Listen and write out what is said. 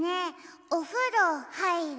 おふろはいる？